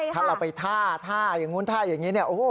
ถ้าเราไปท่าท่าอย่างนู้นท่าอย่างนี้เนี่ยโอ้โห